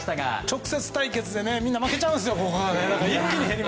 直接対決でみんな負けちゃうんですよ。